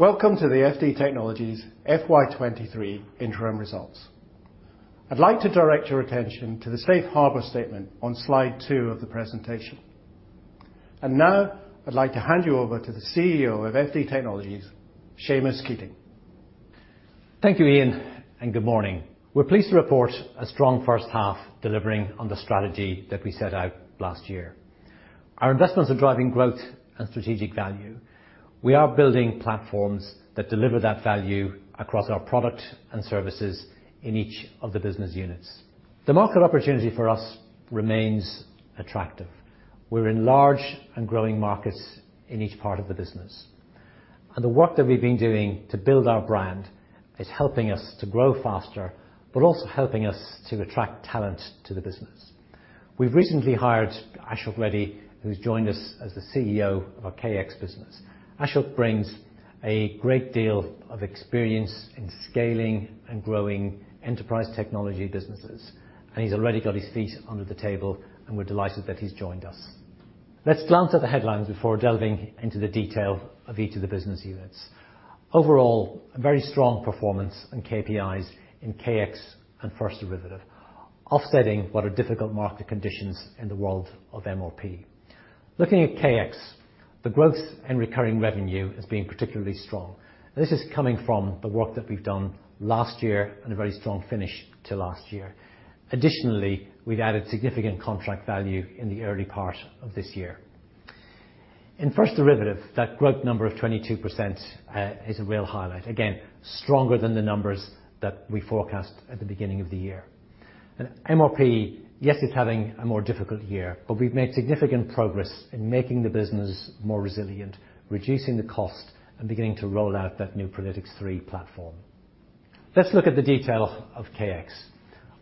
Welcome to the FD Technologies FY23 interim results. I'd like to direct your attention to the safe harbor statement on slide two of the presentation. Now I'd like to hand you over to the CEO of FD Technologies, Seamus Keating. Thank you, Ian, and good morning. We're pleased to report a strong first half delivering on the strategy that we set out last year. Our investments are driving growth and strategic value. We are building platforms that deliver that value across our product and services in each of the business units. The market opportunity for us remains attractive. We're in large and growing markets in each part of the business. The work that we've been doing to build our brand is helping us to grow faster, but also helping us to attract talent to the business. We've recently hired Ashok Reddy, who's joined us as the CEO of our KX business. Ashok brings a great deal of experience in scaling and growing enterprise technology businesses, and he's already got his feet under the table, and we're delighted that he's joined us. Let's glance at the headlines before delving into the detail of each of the business units. Overall, a very strong performance in KPIs in KX and First Derivative, offsetting what are difficult market conditions in the world of MRP. Looking at KX, the growth in recurring revenue has been particularly strong. This is coming from the work that we've done last year and a very strong finish to last year. Additionally, we've added significant contract value in the early part of this year. In First Derivative, that growth number of 22%, is a real highlight. Again, stronger than the numbers that we forecast at the beginning of the year. MRP, yes, it's having a more difficult year, but we've made significant progress in making the business more resilient, reducing the cost and beginning to roll out that new Prelytix 3.0 platform. Let's look at the detail of KX.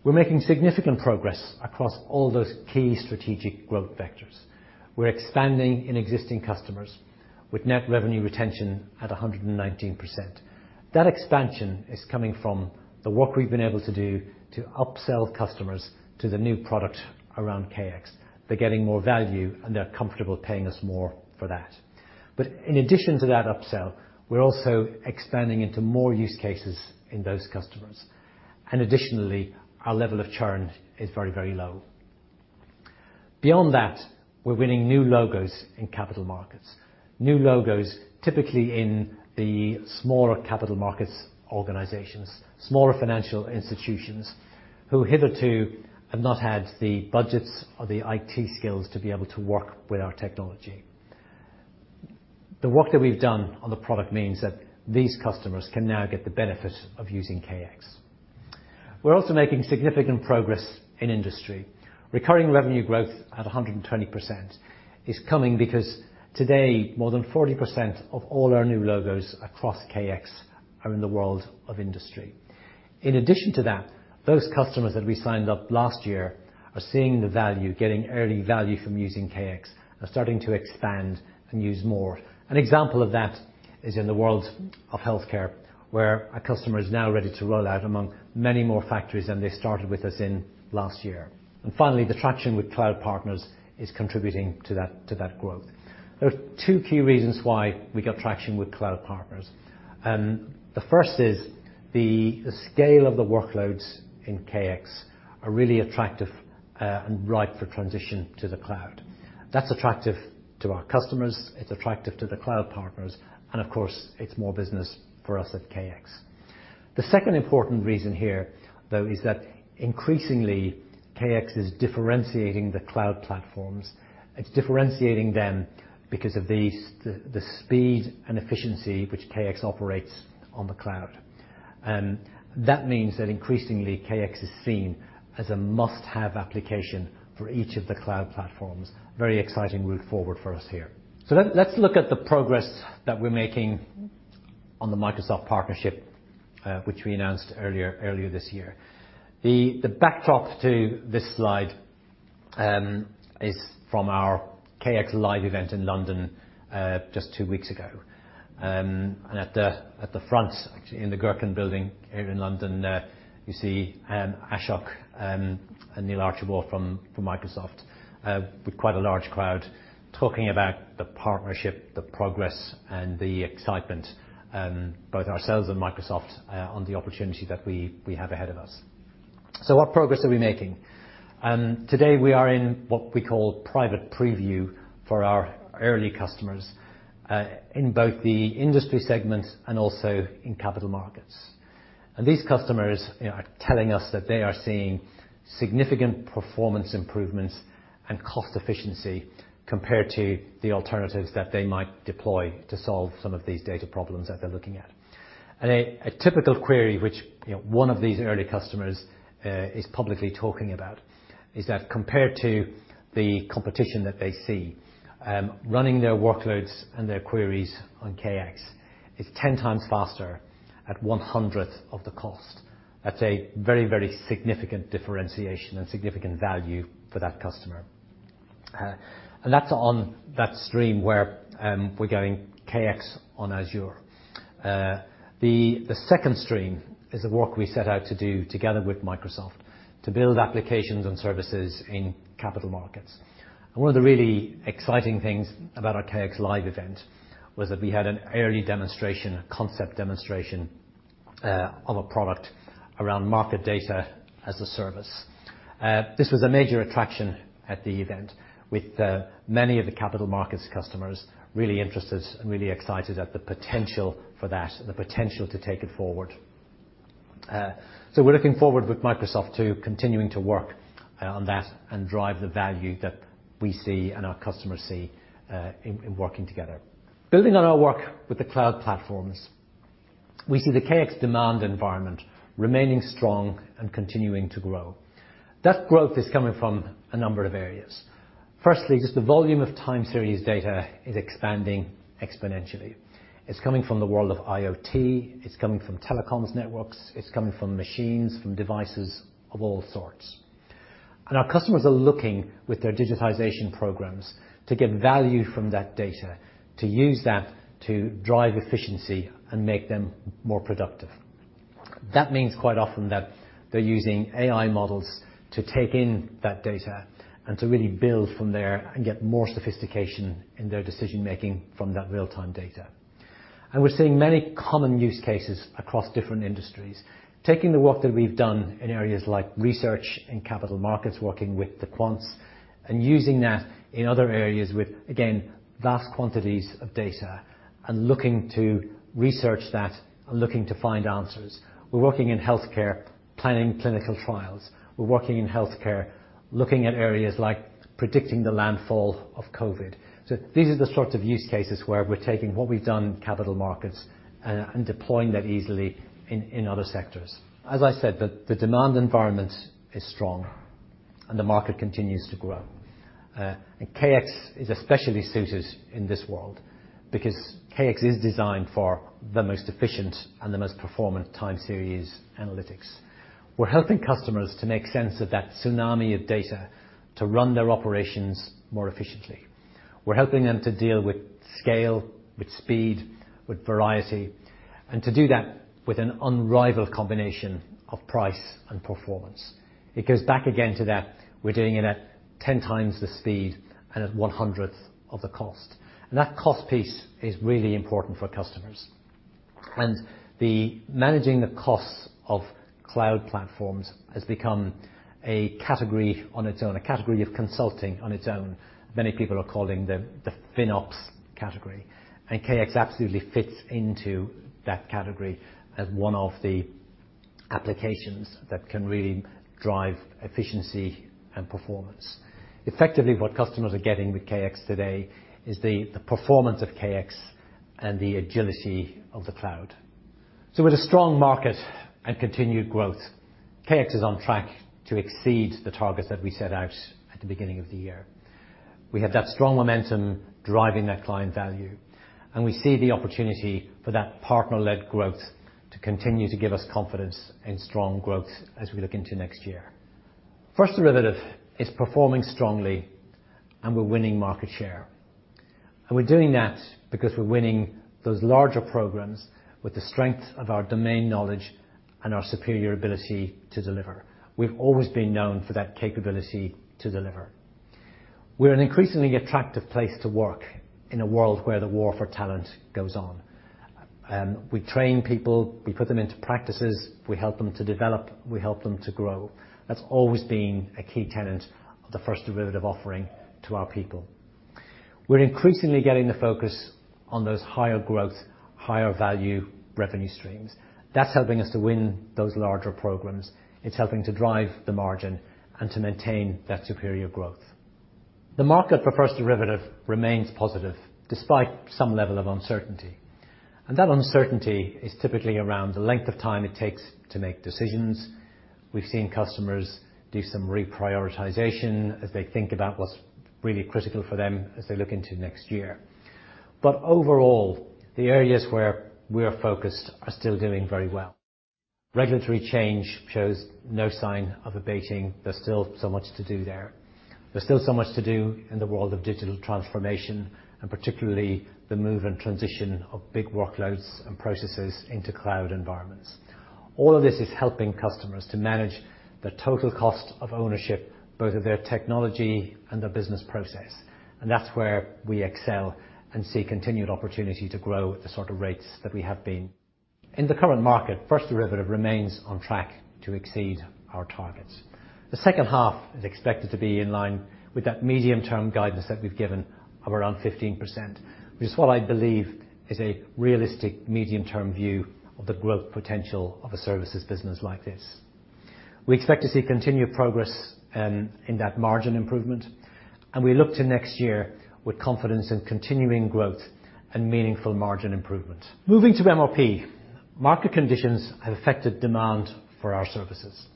We're making significant progress across all those key strategic growth vectors. We're expanding in existing customers with Net Revenue Retention at 119%. That expansion is coming from the work we've been able to do to upsell customers to the new product around KX. They're getting more value, and they're comfortable paying us more for that. But in addition to that upsell, we're also expanding into more use cases in those customers. Additionally, our level of churn is very, very low. Beyond that, we're winning new logos in capital markets. New logos, typically in the smaller capital markets organizations, smaller financial institutions, who hitherto have not had the budgets or the IT skills to be able to work with our technology. The work that we've done on the product means that these customers can now get the benefit of using KX. We're also making significant progress in industry. Recurring revenue growth at 120% is coming because today more than 40% of all our new logos across KX are in the world of industry. In addition to that, those customers that we signed up last year are seeing the value, getting early value from using KX, are starting to expand and use more. An example of that is in the world of healthcare, where a customer is now ready to roll out among many more factories than they started with us in last year. Finally, the traction with cloud partners is contributing to that, to that growth. There are two key reasons why we got traction with cloud partners. The first is the scale of the workloads in KX are really attractive and ripe for transition to the cloud. That's attractive to our customers, it's attractive to the cloud partners, and of course, it's more business for us at KX. The second important reason here, though, is that increasingly, KX is differentiating the cloud platforms. It's differentiating them because of the speed and efficiency which KX operates on the cloud. That means that increasingly KX is seen as a must-have application for each of the cloud platforms. Very exciting route forward for us here. Let's look at the progress that we're making on the Microsoft partnership, which we announced earlier this year. The backdrop to this slide is from our KX Live event in London just two weeks ago. At the front, actually in the Gherkin building here in London, you see Ashok and Niall Archibald from Microsoft with quite a large crowd talking about the partnership, the progress and the excitement both ourselves and on the opportunity that we have ahead of us. What progress are we making? Today we are in what we call private preview for our early customers in both the industry segments and also in capital markets. These customers, you know, are telling us that they are seeing significant performance improvements and cost efficiency compared to the alternatives that they might deploy to solve some of these data problems that they're looking at. A typical query which, you know, one of these early customers is publicly talking about is that compared to the competition that they see, running their workloads and their queries on KX is ten times faster at one-hundredth of the cost. That's a very, very significant differentiation and significant value for that customer. That's on that stream where we're getting KX on Azure. The second stream is the work we set out to do together with Microsoft to build applications and services in capital markets. One of the really exciting things about our KX Live event was that we had an early demonstration, a concept demonstration of a product around market data as a service. This was a major attraction at the event, with many of the capital markets customers really interested and really excited at the potential for that and the potential to take it forward. We're looking forward with Microsoft to continuing to work on that and drive the value that we see and our customers see in working together. Building on our work with the cloud platforms, we see the KX demand environment remaining strong and continuing to grow. That growth is coming from a number of areas. Firstly, just the volume of time series data is expanding exponentially. It's coming from the world of IoT. It's coming from telecoms networks. It's coming from machines, from devices of all sorts. Our customers are looking, with their digitization programs, to get value from that data, to use that to drive efficiency and make them more productive. That means quite often that they're using AI models to take in that data and to really build from there and get more sophistication in their decision-making from that real-time data. We're seeing many common use cases across different industries. Taking the work that we've done in areas like research and capital markets, working with the quants, and using that in other areas with, again, vast quantities of data, and looking to research that and looking to find answers. We're working in healthcare, planning clinical trials. We're working in healthcare, looking at areas like predicting the landfall of COVID. These are the sorts of use cases where we're taking what we've done in capital markets and deploying that easily in other sectors. As I said, the demand environment is strong, and the market continues to grow. KX is especially suited in this world because KX is designed for the most efficient and the most performant time series analytics. We're helping customers to make sense of that tsunami of data to run their operations more efficiently. We're helping them to deal with scale, with speed, with variety, and to do that with an unrivaled combination of price and performance. It goes back again to that, we're doing it at 10 times the speed and at one-hundredth of the cost. That cost piece is really important for customers. Managing the costs of cloud platforms has become a category on its own, a category of consulting on its own. Many people are calling the FinOps category. KX absolutely fits into that category as one of the applications that can really drive efficiency and performance. Effectively, what customers are getting with KX today is the performance of KX and the agility of the cloud. With a strong market and continued growth, KX is on track to exceed the targets that we set out at the beginning of the year. We have that strong momentum driving that client value, and we see the opportunity for that partner-led growth to continue to give us confidence in strong growth as we look into next year. First Derivative is performing strongly, and we're winning market share. We're doing that because we're winning those larger programs with the strength of our domain knowledge and our superior ability to deliver. We've always been known for that capability to deliver. We're an increasingly attractive place to work in a world where the war for talent goes on. We train people, we put them into practices, we help them to develop, we help them to grow. That's always been a key tenet of the First Derivative offering to our people. We're increasingly getting the focus on those higher growth, higher value revenue streams. That's helping us to win those larger programs. It's helping to drive the margin and to maintain that superior growth. The market for First Derivative remains positive despite some level of uncertainty, and that uncertainty is typically around the length of time it takes to make decisions. We've seen customers do some reprioritization as they think about what's really critical for them as they look into next year. Overall, the areas where we're focused are still doing very well. Regulatory change shows no sign of abating. There's still so much to do there. There's still so much to do in the world of digital transformation, and particularly the move and transition of big workloads and processes into cloud environments. All of this is helping customers to manage the total cost of ownership, both of their technology and their business process, and that's where we excel and see continued opportunity to grow at the sort of rates that we have been. In the current market, First Derivative remains on track to exceed our targets. The second half is expected to be in line with that medium-term guidance that we've given of around 15%. Which is what I believe is a realistic medium-term view of the growth potential of a services business like this. We expect to see continued progress in that margin improvement, and we look to next year with confidence in continuing growth and meaningful margin improvement. Moving to MRP, market conditions have affected demand for our services.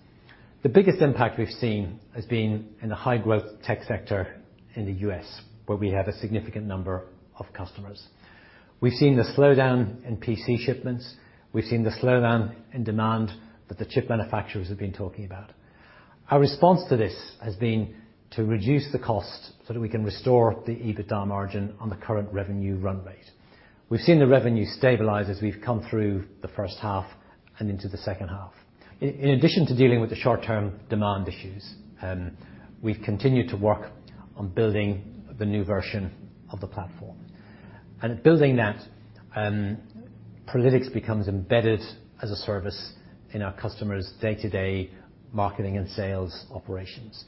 The biggest impact we've seen has been in the high-growth tech sector in the U.S., where we have a significant number of customers. We've seen the slowdown in PC shipments. We've seen the slowdown in demand that the chip manufacturers have been talking about. Our response to this has been to reduce the cost so that we can restore the EBITDA margin on the current revenue run rate. We've seen the revenue stabilize as we've come through the first half and into the second half. In addition to dealing with the short-term demand issues, we've continued to work on building the new version of the platform. Building that, Prelytix becomes embedded as a service in our customers' day-to-day marketing and sales operations.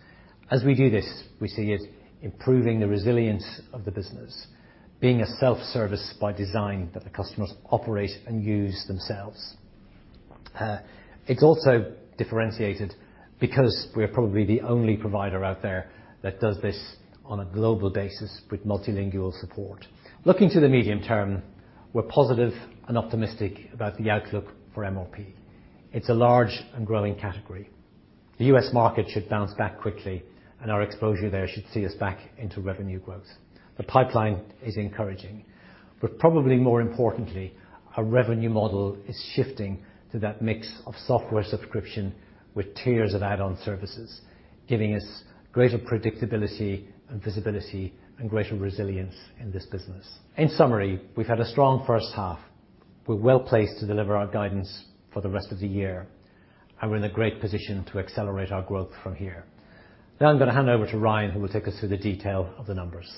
As we do this, we see it improving the resilience of the business, being a self-service by design that the customers operate and use themselves. It's also differentiated because we're probably the only provider out there that does this on a global basis with multilingual support. Looking to the medium term, we're positive and optimistic about the outlook for MRP. It's a large and growing category. The U.S. market should bounce back quickly, and our exposure there should see us back into revenue growth. The pipeline is encouraging. Probably more importantly, our revenue model is shifting to that mix of software subscription with tiers of add-on services, giving us greater predictability and visibility and greater resilience in this business. In summary, we've had a strong first half. We're well-placed to deliver our guidance for the rest of the year, and we're in a great position to accelerate our growth from here. Now I'm gonna hand over to Ryan, who will take us through the detail of the numbers.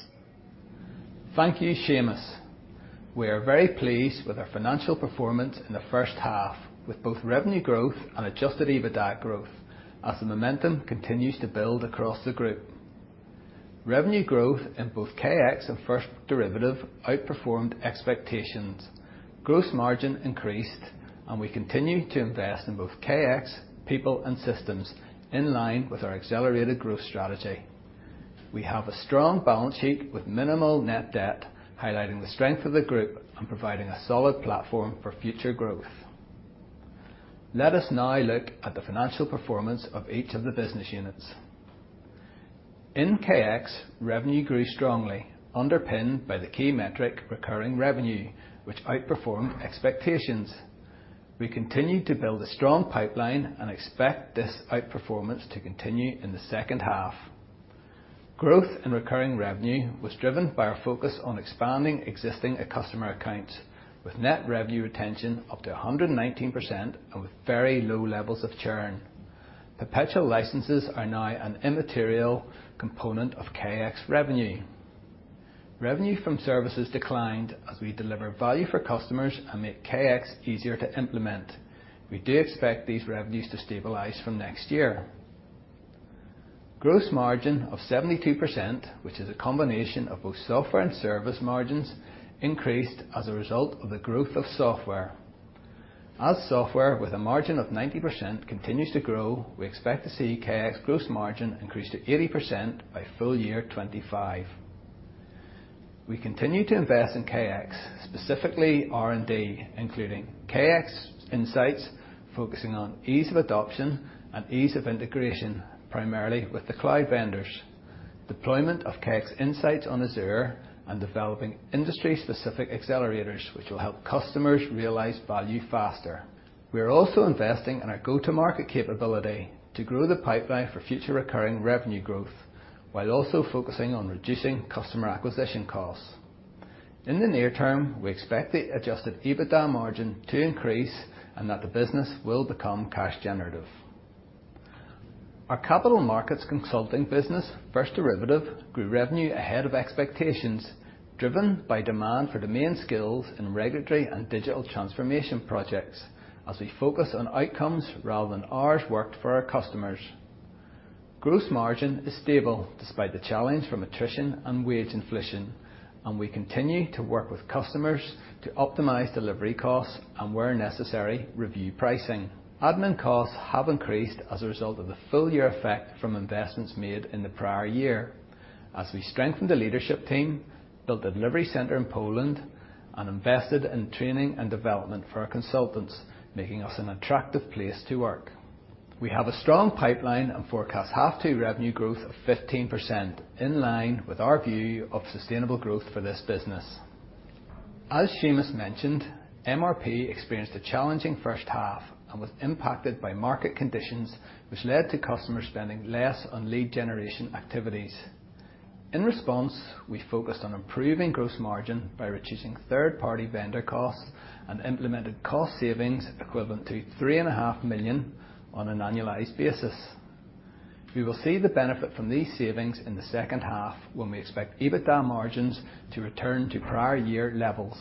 Thank you, Seamus. We are very pleased with our financial performance in the first half, with both revenue growth and adjusted EBITDA growth as the momentum continues to build across the group. Revenue growth in both KX and First Derivative outperformed expectations. Gross margin increased, and we continue to invest in both KX, people, and systems in line with our accelerated growth strategy. We have a strong balance sheet with minimal net debt, highlighting the strength of the group and providing a solid platform for future growth. Let us now look at the financial performance of each of the business units. In KX, revenue grew strongly, underpinned by the key metric recurring revenue, which outperformed expectations. We continue to build a strong pipeline and expect this outperformance to continue in the second half. Growth and recurring revenue was driven by our focus on expanding existing and customer accounts, with Net Revenue Retention up to 119% and with very low levels of churn. Perpetual licenses are now an immaterial component of KX revenue. Revenue from services declined as we deliver value for customers and make KX easier to implement. We do expect these revenues to stabilize from next year. Gross margin of 72%, which is a combination of both software and service margins, increased as a result of the growth of software. As software with a margin of 90% continues to grow, we expect to see KX gross margin increase to 80% by FY25. We continue to invest in KX, specifically R&D, including KX Insights, focusing on ease of adoption and ease of integration, primarily with the cloud vendors. Deployment of KX Insights on Azure and developing industry-specific accelerators which will help customers realize value faster. We are also investing in our go-to-market capability to grow the pipeline for future recurring revenue growth while also focusing on reducing customer acquisition costs. In the near term, we expect the Adjusted EBITDA margin to increase and that the business will become cash generative. Our capital markets consulting business, First Derivative, grew revenue ahead of expectations, driven by demand for domain skills in regulatory and digital transformation projects as we focus on outcomes rather than hours worked for our customers. Gross margin is stable despite the challenge from attrition and wage inflation, and we continue to work with customers to optimize delivery costs and, where necessary, review pricing. Admin costs have increased as a result of the full year effect from investments made in the prior year as we strengthened the leadership team, built a delivery center in Poland, and invested in training and development for our consultants, making us an attractive place to work. We have a strong pipeline and forecast half two revenue growth of 15%, in line with our view of sustainable growth for this business. As Seamus mentioned, MRP experienced a challenging first half and was impacted by market conditions, which led to customers spending less on lead generation activities. In response, we focused on improving gross margin by reducing third-party vendor costs and implemented cost savings equivalent to 3.5 million on an annualized basis. We will see the benefit from these savings in the second half when we expect EBITDA margins to return to prior year levels.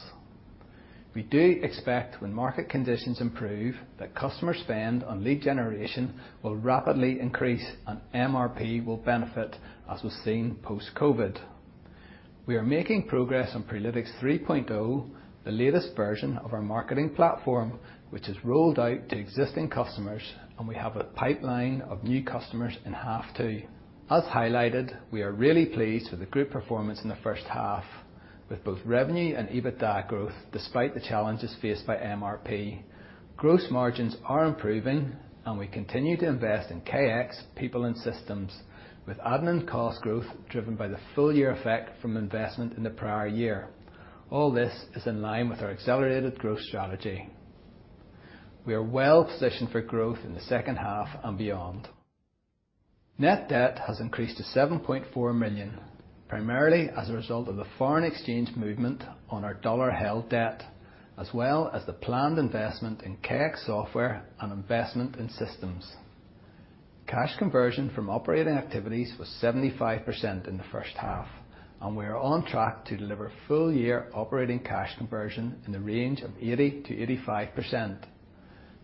We do expect when market conditions improve that customer spend on lead generation will rapidly increase and MRP will benefit, as was seen post-COVID. We are making progress on Prelytix 3.0, the latest version of our marketing platform, which is rolled out to existing customers, and we have a pipeline of new customers in H2. As highlighted, we are really pleased with the group performance in the first half, with both revenue and EBITDA growth despite the challenges faced by MRP. Gross margins are improving and we continue to invest in KX, people, and systems, with admin cost growth driven by the full year effect from investment in the prior year. All this is in line with our accelerated growth strategy. We are well positioned for growth in the second half and beyond. Net debt has increased to 7.4 million, primarily as a result of the foreign exchange movement on our dollar-held debt, as well as the planned investment in KX software and investment in systems. Cash conversion from operating activities was 75% in the first half, and we are on track to deliver full year operating cash conversion in the range of 80%-85%.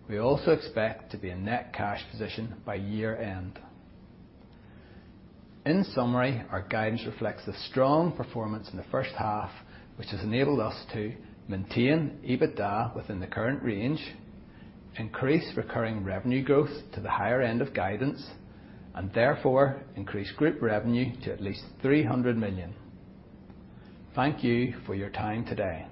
We also expect to be in net cash position by year-end. In summary, our guidance reflects the strong performance in the first half, which has enabled us to maintain EBITDA within the current range, increase recurring revenue growth to the higher end of guidance, and therefore increase group revenue to at least 300 million. Thank you for your time today.